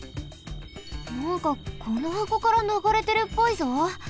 なんかこのはこからながれてるっぽいぞ。